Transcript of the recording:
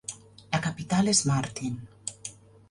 La capital és Martin.